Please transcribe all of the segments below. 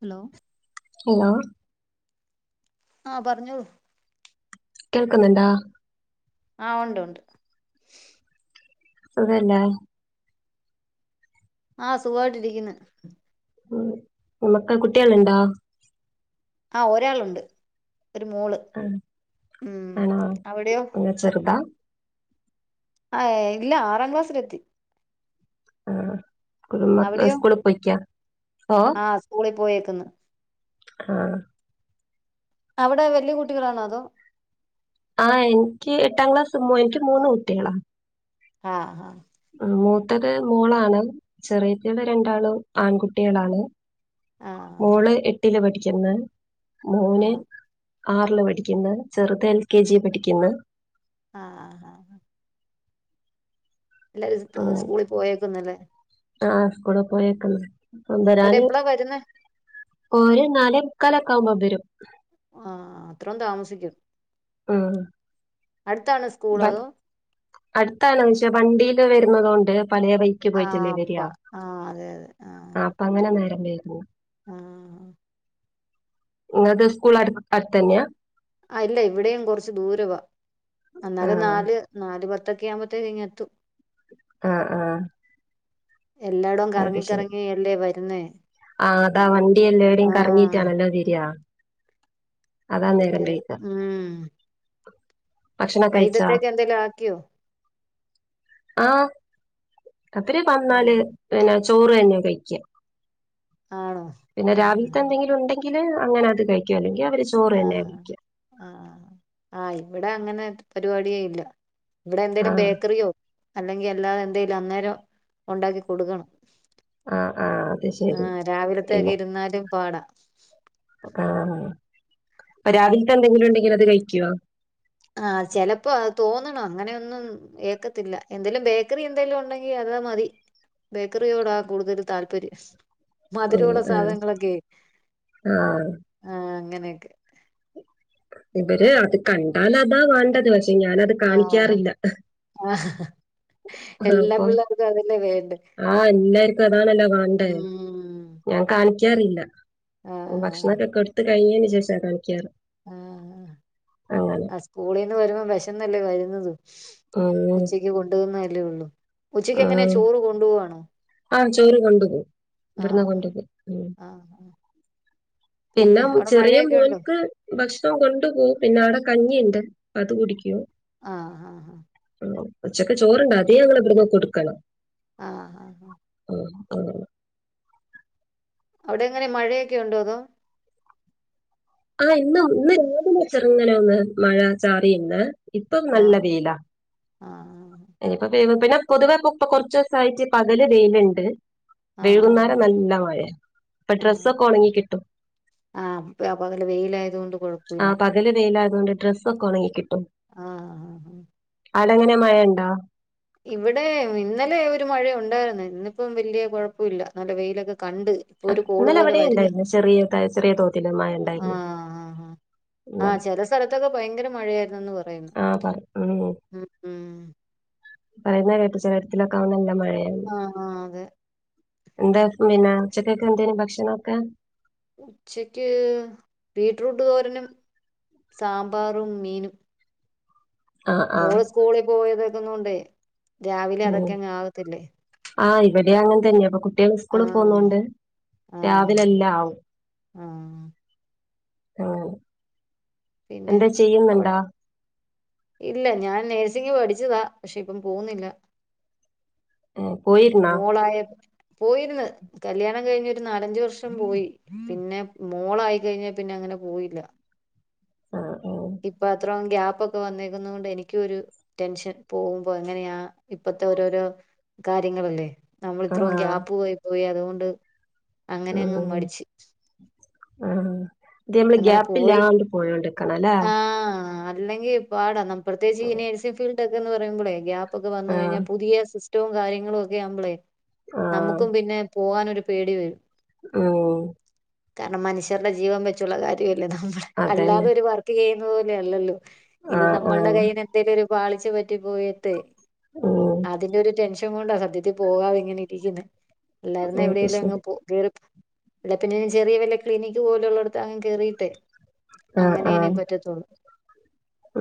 Hello hello ആഹ് പർഞ്ഞോളു കേൾക്കുന്ന്ണ്ടാ? ആഹ് ഒണ്ടു ണ്ട് സുഖല്ലേ? ആഹ് സുഖമായിട്ടിരിക്ക്ണ് നമ്മക്ക് കുട്ടികള് ണ്ടോ? ആ ഒരാളുണ്ട്. ഒരു മോള് ആഹ് ഉം ആണോ അവിടെയോ [unintelligible] ചെറ്താ? ആ എ ഇല്ല ആറാം ക്ലാസ്സില് എത്തി. ആഹ് [unintelligible] അവിടെയോ സ്കൂള് പോയിക്ക്യാ? ആഹ് സ്കൂളി പോയേ ക്ക്ന്ന് ആഹ് അവിടെ വല്യ കുട്ടികളാന്നോ അതോ ആഹ് എൻക്ക് എട്ടാം ക്ലാസ് മ്മോ എൻക്ക് മൂന്ന് കുട്ടികളാ. ആഹ് ഹാ ഉം മൂത്തത് മോളാണ് ചെറിയേറ്റേള് രണ്ടാളും ആൺകുട്ടികളാണ്. ആഹ് ആഹ് മോള് എട്ടില് പഠി ക്ക്യ് ന്ന്. മോന് ആഹ് ആറില് പഠിക്കുന്ന് ചെറുത് എൽ കെ ജി പഠിക്കുന്ന്. ആഹ് ഹാ ഹാ എല്ലാരും സ് സ്കൂളിൽ പോയേക്കുന്നല്ലേ? ആഹ് സ്കൂളിൽ പോയേക്കുന്നു. കൊണ്ട്രാന് അവരെപ്പളാ വരുന്നേ ഒരു നാലേ മുക്കാലക്കൊവുമ്പോ വരും. ആഹ് അത്രം താമസിക്കും ഉം അടുത്താണോ സ്കൂൾ അതോ അടുത്താണ് പക്ഷേ വണ്ടി വരുന്നത് കൊണ്ട് പലേ വഴിക്ക് ആഹ് പോയിട്ടല്ലേ വര അപ്പ ആഹ് അതെ അതെ ആഹ് അപ്പൊ അങ്ങനെ നേരം വ ഉം ആഹ്. ഇങ്ങട്ട് സ്കൂൾ അടു അടുത്തന്നെ? ആഹ് ഇല്ല ഇവിടെയും കൊറച്ച് ദൂരവാ. എന്നാലും ആഹ് നാല് നാല് പത്ത് ത്തൊക്കെ ആവുമ്പോത്തേക്ക ഇങ്ങ എത്തു ആഹ് ആഹ്. എല്ലായിടും കറങ്ങി കറങ്ങി അല്ലേ വ എത്തുന്നെ. ആഹ് അതാ വണ്ടി എല്ലേടിം കറങ്ങീട്ടാണല്ലോ വരുക. അതിന്റെ ഉം. ഭക്ഷണൊക്കെ കഴിച്ചാ വൈകീട്ടത്തേക്ക് എന്തേങ്കിലും ആക്കിയോ? ആഹ്. രാത്രി വന്നാല് ആഹ് പിന്നെ ചോറ് തന്നെ കഴിക്ക. ആണോ പിന്നെ രാവിലത്തെ ആഹ് എന്തെങ്കിലും ഉണ്ടെങ്ക ല് അങ്ങനെ അത് കഴിക്കുവല്ലേ. അവര് ചോറ് തന്നെയ ആഹ് കഴിക്ക. ആഹ് ആഹ് ഇവിടെ അങ്ങനെത്തെ പരിപാടിയേ ഇല്ല. ഇവിടെ എന്തെലും ആഹ് ബേക്കറിയോ അല്ലെങ്കിൽ അല്ലാതെ എന്തെിലും അന്നേരം ഉണ്ടാക്കി കൊടുക്കണം. ആഹ് ആഹ് അത് ശരി ഇല്ല. പ്പാട ആ അപ്പൊ രാവിലത്തെ എന്തെങ്കിലും ഉണ്ടെങ്കിലിൽ അത് കഴിക്കോ ആഹ് ചെലപ്പോ അത് തോന്നണം അങ്ങനെയൊന്നും ഏക്കത്തില്ല എന്തേലും ബേക്കറി എന്തെലും ഉണ്ടെങ്കിൽ അത് മതി ബേക്കറിയോടാ കൂടുതൽ താല്പര്യം [inaudible] ആഹ് മധുരമുള്ള ആഹ് സാധനങ്ങളൊക്കെ ആഹ് ആ അങ്ങനെയൊക്കെ ഇവര് അത് കണ്ടാൽ അതാ വാണ്ടത് പക്ഷെ ഞാനത് ആ കാണിക്കാറില്ല ആ എല്ലാ അപ്പം പിള്ളേർക്കും അതല്ലേ വേണ്ടേ ആ എല്ലാർക്കും അതാണല്ലോ വേണ്ടേ ഉം ഞാൻ കാണിക്കാ ക്കറിയില്ല ആ ഓ ഭക്ഷണൊക്കെ കൊടുത് കയ്യ്ഞ്ഞേന് ശേഷാ കാളിക്കാറ് ആ ആ സ്കൂളീന്ന് വരുമ്പോ വിശന്നല്ലേ വര നത് ഉം ഉച്ചയ്ക്ക് കൊണ്ടുവന്ന അല്ലേ ഉള്ളൂ ഉച്ചക്ക് എങ്ങനെ ഉം. ചോറ് കൊണ്ടുപോവാണോ ആ ചോറ് കൊണ്ടപോവും ആ ഇവിടുന്ന് കൊണ്ടു പോയി ഉം ആ ആ. പിന്നെ അവിടെ ചെറിയ മഴയൊക്കെ ഉണ്ടോ മോൻക്ക് ഭക്ഷണം കൊണ്ടു പോ പിന്നെ അവിടെ കഞ്ഞിയുണ്ട് അത് കുടിക്കോ അ ആ ഉച്ചക്ക് ചോർണ്ട് അത് ഞങ്ങള് ബ്ടന്ന് കൊടുക്കണം ആ ആ ഉം, ഉം. അവിടെ എങ്ങനെ മഴയൊക്കെ ഉണ്ടോ അതോ ആ ഇന്ന് ഇന്ന് രാവിലെ ചെർങ്ങനെ ഒന്ന് മഴ ചാറി ഇന്ന് ഇപ്പൊ ആ നല്ല വെയിലാ ആ ഇനിപ്പ വേ പിന്നെ പൊതുവെ പ്പ ഇപ്പ കുറച്ചുസായിട്ട് പകല് വെയിലുണ്ട് ആ വെഴുകുന്നേരം നല്ല മഴ ഇപ്പൊ ആ ഡ്രസ്സൊക്കെ ഒണങ്ങി കിട്ടും നല്ല വെയിലായത് കൊണ്ട് കുഴപ്പവില്ല ലായതോണ്ട് ഡ്രസ്സൊക്കെ ഒണങ്ങി കി ആ ആ ആ അടങ്ങനെ മഴണ്ടോ ഇവിടെ ഇന്നലെ ഒരു മഴ ഉണ്ടായിരുന്നു ഇന്നിപ്പം വലിയ കുഴപ്പവില്ല നല്ല വെയിലൊക്കെ കണ്ട് ഇപ്പൊ ഒരു കോള് ഇന്നലെ പോലെ ഇവിടെ വരുന്ന് ഉണ്ടായിരുന്നു ചെറിയ ചെറിയ തോതിൽ മഴ ആ ഉണ്ടായിരുന്നു ആ ആ ഇന്നലെ ചെല സ്ഥലത്തൊക്കെ ഭയങ്കര മഴയായിരുന്നന്ന് പറയുന്നു ആ പറ ഉം ഉം ഉം പറയുന്ന കേട്ട ചിലരത്തില കാണല്ല മ ഏ ആ ആ അതെ എന്താ പിന്നെ ഉച്ചക്കൊക്കെ എന്തേം ഭക്ഷണണംമൊക്കെ ഉച്ചക്ക് ബീറ്റ്റൂട്ട് തോരനും സാമ്പാറും മീനും ആ ആ മോള് സ്കൂളിൽ പോയതക്കുന്നുണ്ടേ [inaudible] [inaudible] രാവിലെ അതൊക്കെ അങ് ആകത്തില്ലേ വവിടെ അങ്ങന തന്നെ അപ്പ [unintelligible] കുട്ടിക സ്കൂളിൽ പോകുന്നണ്ട് ആ രാവിലെഎല്ലാം ആവും ആ ആ പിന്നെ അവിടെ ഇല്ല ഞാൻ നേഴ്‌സ് ഒറ്റയ്ക് പഠിച്ചതാ പക്ഷെ ഇപ്പം പോകുന്നില്ല ഏ പോയിരുന്നോ മോളായ പോയിരുന്ന് കല്യാണം കഴിഞ്ഞ് ഒരു നാലഞ്ചു വർഷം പോയി പിന്നെ മോളായി കഴിഞ്ഞാ പിന്നെ അങ്ങനെ പോയില്ല ആ ഇപ്പോ അത്രോം ഗ്യാപ്പ് ഒക്കെ വന്നിരുന്നു കൊണ്ട് എനിക്ക് ഒരു ടെൻഷൻ പോകുമ്പോൾ എങ്ങനെയാ ഇപ്പത്തെ ഓരോരോ കാര്യങ്ങളല്ലേ നമ്മള ആ ഇത്രോ ആ ക്യാപ്പ് പോയി പോയി അതോ ഉണ്ട് അങ്ങനെ അങ്ങ് ആഹ് മടിച്ച് ആഹ് ഇത് നമ്മൾ അങ്ങനെ ഗ്യാപ്പ് പോയി ഇില്ലാണ്ട് പോയോണ്ടിക്കണം ലെ അല്ലെങ്കിൽ പാടാം നമക് പ്രത്യേകിച്ച് ഈ നഴ്സിംഗ് ഫീൽ ഡൊക്കേന്ന് പറയുമ്പളേ ഗ്യാ പ്പൊക്കെ വന്നു ആഹ് കഴിഞ്ഞാ പുതിയ സിസ് റ്റവും കാര്യങ്ങളുമൊക്കെയാവുമ്പളേ ആഹ് നമ്മുക്കും പിന്നെ പോവാനൊരു പേടി വെരും. ഉം കാരണം മനുഷ്യരുടെ ജീവനു വെ ച്ചുള്ള കാര്യ വല്ലേ നമ്മളെ അതന്നെ അല്ലാതെ ഒരു വർക്കെയ്യു ന്ന പോലെയല്ലല്ലോ. ഇത് ആഹ് നമ്മള്ടെ ആഹ് കയ്യിനെന്തെലൊരു പാളിച്ച പറ്റി പോയിട്ടെ ഉം അതിന്റെ ഒരു ടെൻഷ ൻ കൊണ്ടാ സത്യത്തി പോകാതെ ഇങ്ങനെ ഇരിക്കുന്നേ. അല്ലാരുന്നേ അത് എവിടേലും അങ് ശരി പോ കേറി അല്ലെ പിന്നെ ഞാൻ ചെറിയ വല്ല ക്ലിനിക് പോലുള്ളട് തങ് കേറിട്ടെ ആഹ് അങ്ങനെ ഇനീ ആഹ് പറ്റത്തൊള്ളു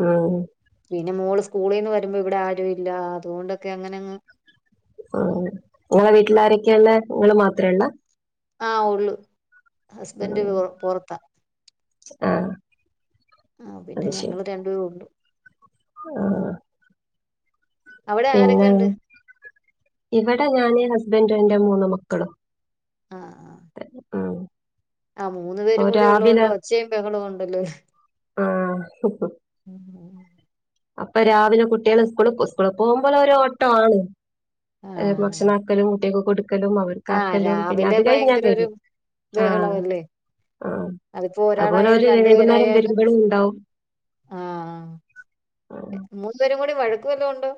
ഉം പിന്നെ മോള് സ് സ്കൂളിന്ന് വരുമ്പോ ഇവിടെ ആരു ഇല്ല അതുകൊണ്ടൊക്കെ അങ്ങനങ്ങ് ആഹ് നിങ്ങളെ വീട്ടിലാരൊക്കെയള്ളെ നിങ്ങള് മാത്രള്ള ആഹ് ഒള്ളു ഹസ്ബന്റ് ഉം പൊറത്ത ആഹ് ആഹ് പിന്നെ അത് ശരി ഞങ്ങള് രണ്ടുവേ ഒള്ളു ആഹ് അവിടെ പിന്നെ ആരെക്കെണ്ട് ഇവിടെ ഞാന് ഹസ്ബൻ്റും എന്റെ മൂന്നു മക്കളും ആഹ് ആഹ് ആ മൂന്ന് പേരും കൂടി ഉള്ളോണ്ട് ഒച്ചെം ബെഹളൊം അല്ലോ ആ അപ്പൊ രാവിലെ കുട്ട്യള് സ്കൂള് സ്കൂള് പോവുമ്പൊളൊരോട്ടാണ്. അ് ആഹ് ഭക്ഷണാക്കലും കുട്ട്യക്ക് ക്കലും ആഹ് അവര്ക്കാക്കലും പിന്നെ രാവിലെ അത് കഴിഞ്ഞാ ഭയങ്കര ഒരു കഴ്ഞ്ഞു ആ ബഹളമല്ലേ ആ അതിപ്പോ അഅ്പോലെ ഒരാളായാലും ഒരു രണ്ടു വൈകുന്നേരം പേരായാലും വെരുമ്പളുണ്ടാവും മൂന്ന്വെരും കൂടി വഴക്ക് വല്ലോം ഒണ്ടോ?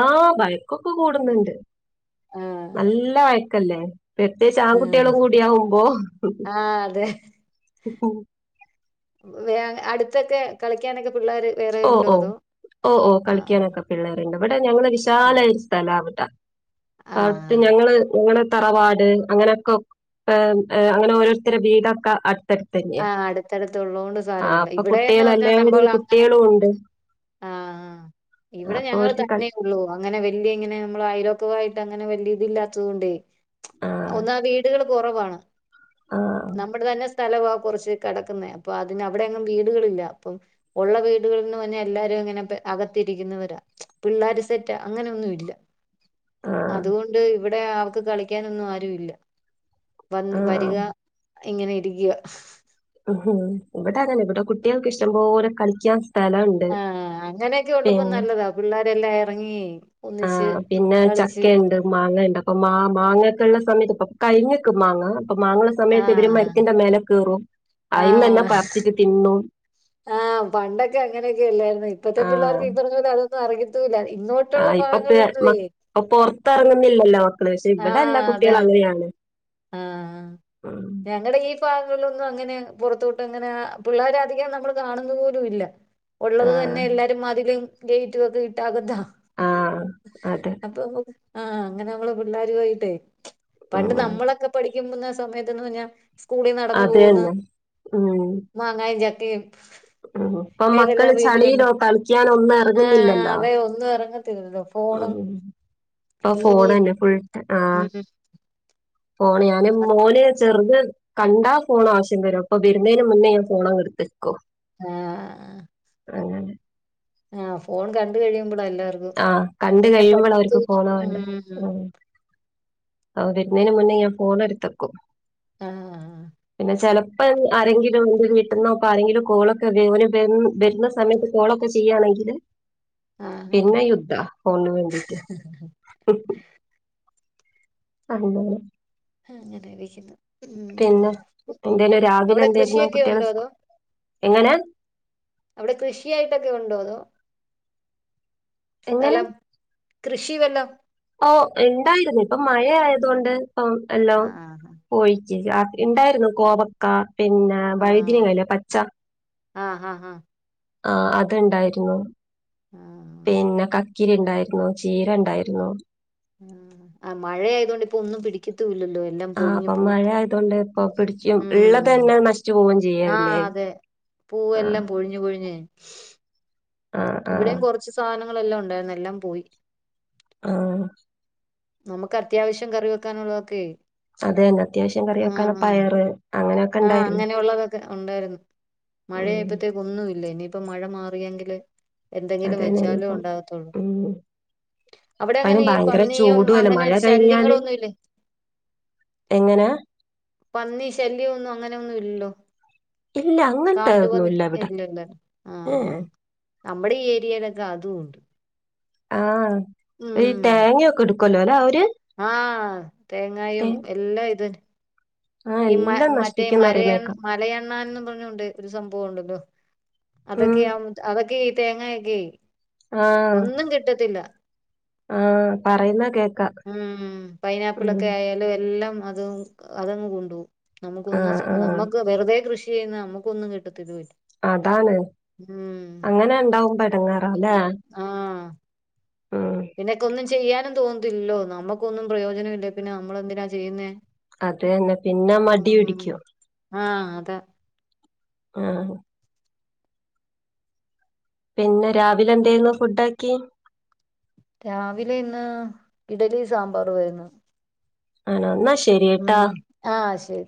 ആ ബയക്കൊക്കെ കൂടുന്നുണ്ട്. ആഹ് നല്ല വയ ക്കല്ലേ പ്രത്യേയിച്ച് ആഹ് ആൺകുട്ട്യേളും കൂടിയാവുമ്പോ ആഹ് അതെ [unintelligible] വേ അട്ത്തൊക്കെ കളിക്കാനൊക്കെ പിള്ളേര് വേറെ ഓ ഉണ്ടോ ഓ അതോ ഓ ഓ ആഹ് കളിക്കാനൊക്കെ പിള്ളേര്ണ്ട് ട്ട് ഞങ്ങള് ആഹ് വിശാലായ ഒരു സ്ഥലാണ് ട്ടാ അട്ത്ത് ആഹ് ഞങ്ങള് ഞങ്ങള് തറവാട് അങ്ങനെയൊക്കെ അങ്ങനെ ഓരോരുത്തടെ വീതൊക്കെ ആഹ് അടുത്തടുത്തു ഉള്ളോണ്ടു ആഹ് സാരമില്ല അപ്പൊ ഇവിടെന്ന് കുട്ടികള് പറഞ്ഞാൽ എല്ലാവരും നമ്മള് ങ്ങനെ കുട്ടികളും ഉണ്ട്. ആഹ് ഇവിടെ അപ്പൊ ഞങ്ങള് അവർക്ക് കളി തന്നെള്ളൂ അങ്ങനെ വല്ല്യ ഇങ്ങനെ നമ്മള് അയലൊ ക്കായിട്ട് അങ്ങനെ വല്ല്യ ഇതില്ലാത്തത് കൊണ്ടേ ആഹ് ഒന്നാ വീടുകൾ കൊറവാണ് ആഹ് നമ്മടെ തന്നെസ്- സ്ഥലവാ കുറച്ച് കെടക്കുന്നെ അപ്പൊ അതി അവിടെ അങ്ങെ വീടുകളില്ല അപ്പം ഉള്ള വീടുകളിൽന്ന് പറഞ്ഞാ എല്ലാരും ഇങ്ങനെ അകത്തിരിക്കുന്നവരാ പിള്ളേർ സെറ്റാ അങ്ങനൊന്നും ഇല്ല. ആഹ് അതുകൊണ്ട് ഇവിടെ അവക്ക് കളിക്കാനൊന്നും ആരു ഇല്ല വന്ന് ആഹ്. വരിക ഇങ്ങനെ ഇരിക്കുക ഉം ഇവിടെ അങ്ങനെ ഇവിടെ കുട്ടികൾക്ക് ഇഷ്ടം പോലെ കളിക്കാൻ സ്ഥലണ്ട് ആ അങ്ങനെയൊക്കെ ഉള്ളപ്പോ പിന്നെ നല്ലതാ പിള്ളേരെല്ലാം ഇറങ്ങി ആ ഒന്നിച്ച് പിന്നെ കളിച്ച് ചക്ക ഇണ്ട് മാങ്ങ ഇണ്ട് അപ്പൊ മാ മാങ്ങക്കെ ഉള്ള സമയത്ത് കൈഞ്ഞക്ക് മാങ്ങ അപ്പൊ മാങ്ങള്ള ആ സമയത്ത് ഇവരും മരത്തിന്റെ മേലെ കേറും അയിന്നന്നെ പറിച്ചിട്ട് തിന്നു ആഹ പണ്ടൊക്കെ അങ്ങനെയൊക്കെ ഇല്ലായിരുന്നു ഇപ്പത്തെ ആ പിള്ളേർക്ക് ഈ പറഞ്ഞ പോലെ അ അതൊന്നും അറിയാത്തുമില്ല ആ ഇപ്പൊ ഇറങ്ങുന്നില്ലല്ലോ പക്ഷേ ഇവിടെല്ലാ കുട്ടികൾ അങ്ങെയാണ് ആഹ ഞങ്ങളടെ ഈ ഭാഗങ്ങളിൽ ഒന്നും അങ്ങനെ പുറത്തോട്ട് ഇങ്ങനെ പിള്ളേരെധികം നമ്മള് കാണുന്ന പോലും ഇല്ല ആ ഉള്ളത് തന്നെ എല്ലാരും അതിലും ഗേറ്റ് ഒക്കെ ഇട്ടു അകത്ത ആഹ അതെ ആഹ് അങ്ങനെ നമ്മള് പിള്ളേർ പോയിട്ടേ പണ്ട് ഉം. നമ്മളക്കെ പഠിക്കുന്ന സമയത്ത്ന്ന് പറഞ്ഞാൽ സ്കൂളിൽ നടന്നു അത് പോകുന്നു തന്നെ ഉം. മാങ്ങായം ച അ ഉം ഇപ്പ മക്കള് ചളിയിലോ കളിക്കാനോ ഒന്നും ആ ഇറങ്ങുന്നില്ലല്ലോ അതെ ഒന്നും ഇറങ്ങത്തില്ലല്ലോ ഫോണും ഉം ആ ഫോൺ തന്നെ ഫുൾ ഉം ഉം ഫോൺ ഞാൻ മോന് ചെറുത് കണ്ടാ ഫോൺ ആവശ്യം വരും അപ്പൊ വരുന്നതിന് മുന്നേ ഞാൻ ഫോൺ എടുത്തുവെക്കും ആ അങ്ങനെ ആ ഫോൺ കണ്ട് കഴിയുമ്പം ആ കണ്ട് കഴിയുമ്പോൾ അവർക്ക് ഫോണാ വേണ്ടേ ഉം വരുന്നതിന് മുന്നേ ഞാൻ ഫോൺ എടുതൂവയ്ക്കും ആ ചിലപ്പോ ആരെങ്കിലും എന്തെങ്കിലും കിട്ടുന്നോപ്പ ആരെങ്കിലും കോളൊക്കെ വരുന്ന സമയത്ത് കോളൊക്കെ ചെയ്യയാണെങ്കിൽ ആ ആ പിന്നെ യുദ്ധ ഫോണിന് വേണ്ടിട്ട് അന്നേരം ആ അങ്ങനെ ഇരിക്കുന്നു ഉം എന്തേലും രാവിലെ അവിടെ എന്തായിരുന്നു കൃഷിയൊക്കെ കുട്ടികളെ സ്കൂ- ഉണ്ടോഅതോ എങ്ങനെ അവിടെ കൃഷിയായിട്ടൊക്കെ ഉണ്ടോ അതോ എങ്ങനെ സ്ഥലം കൃഷി വല്ലോം ഓഹ് ഇണ്ടായിരുന്നു ഇപ്പൊ മഴ ആയതൊണ്ട് ഇപ്പം എല്ലാം ആഹ് പോയി ഇണ്ടായിരുന്നു കോവക്ക പിന്നെ ആഹ് വഴുതിനില്ലേ പച്ച ആഹ് അഹ് അഹ് ആഹ് അത് ഇണ്ടായിരുന്നു ആഹ് പിന്നെ ക ക്കിരി ഇണ്ടായിരുന്നു ചീര ഇണ്ടായിരുന്നു ഉം അഹ് മഴയായത് കൊണ്ട് ഇപ്പോ ഒന്നും പിടിക്കത്തില്ല ആഹ് അപ്പൊ മഴ ആയതുകൊണ്ട് ഇപ്പൊ പിടിച്ചും ഇള്ള ഉം തന്നെ നശിച്ചു പോവെം ചെയ്യല്ലേ ആഹ് അതെ ആഹ് പൂവെല്ലാം പൊഴിഞ്ഞു പൊഴിഞ്ഞ് ഇവിടെയും കൊറച്ച് സാനങ്ങളെല്ലാം ഉണ്ടായി ന്നെല്ലാം പോയി ആഹ് നമുക്ക് അത്യാവശ്യം കറി വെക്കാനുള്ളതൊക്കെ അതേന്നെ അത്യാവശ്യം കറി വെക്കാൻ ആഹ് പയറ് അങ്ങനൊ ആഹ് അങ്ങനെയുള്ളതൊക്കെ ഉണ്ടായിരുന്നു മഴ ഉം ആയപ്പത്തേക്കും ഒന്നും ഇല്ല ഇനിയിപ്പ മഴ മാറിയെങ്കില് അത് എന്തെങ്കിലും തന്നെയാണ് വെച്ചാലും ഇപ്പം ഉണ്ടാകത്തൊള്ളൂ ഉം ഇപ്പൊ അവടെ എങ്ങനെ അതിന് ഈ ഭയങ്കര പന്നിയും ചൂടുമല്ലേ അങ്ങനെ മഴ കഴിഞ്ഞാല് ശല്യങ്ങളൊന്നു ഇല്ലേ എങ്ങനെ പന്നി ശല്യന്നും അങ്ങനൊന്നും ഇല്ലല്ലോ ഇല്ല അങ്ങൻത്തെ കാട്ടുപന്നി ഒന്നുല്ലവടെ ഏ എ നമ്മടീ ഏരിയേലൊക്കെ അതുണ്ട് ആ ഈ തേങ്ങെക്കെടു കൊല്ലോലൊ അവര് ആ തേങ്ങായും തേ എല്ലാം ഇത് ആഹ് ഈ മ എല്ലാം മറ്റേ നശിപ്പിക്കുംന്ന് മരയണ്ണ പറയുന്നേക്കാം മലയണ്ണാൻന്നും പറഞുണ്ട് ഒരു സംഭവണ്ട് അതൊക്കെ ഉം യാ അതൊക്കെ തേങ്ങാ കെയ് ഒന്നും കിട്ടത്തില്ല ആ പറയുന്ന കേ ഉഊം പൈനാപ്ളൊക്കെ ആയാലും എല്ലാം അതും അതും കൊണ്ടോവും നമുക്കൊന്ന് ആഹ് സ ആഹ് നമ്മക്ക് വെറ്തെ കൃഷി ചെയ്യുന്ന നമ്മക്കൊന്നും കിട്ടത്തി അതാണ് അങ്ങനെണ്ടാവുമ്പൊ എടങ്ങേറാല്ലെ പിന്നക്കൊന്നും ചെയ്യാനും തോന്നത്തില്ലല്ലോ നമ്മക്കൊന്നും പ്രയോജനല്ലേൽ പിന്നെ നമ്മളെന്തിനാ ചെയ്യുന്നേ അതന്നെ പിന്നെ മടി പിടിക്കും ആ അതെ ആ പിന്നെ രാവിലെന്തേനു ഫുഡാക്കി രാവിലെന്ന് ഇഡലി സാമ്പാറേർന്നു ആണാ ന്നശ് ആ ശെരി